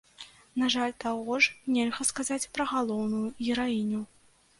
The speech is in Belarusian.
На жаль, таго ж нельга сказаць пра галоўную гераіню.